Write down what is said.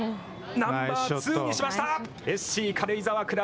ナンバー２にしました。